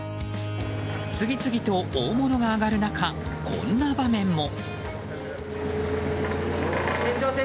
次々と大物が揚がる中こんな場面も。